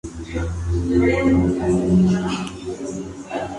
Juega en la Liga Premier de Siria.